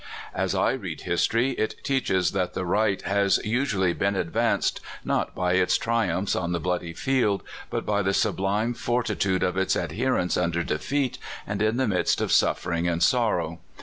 As I read historv, it teacher that 138 Dr. Eleazar Thomas, the right has usually been advanced, not by its tri umjDhs on the bloody field, but by the sublime for* titude of its adherents under defeat, and in the midst of suffering and sorrow.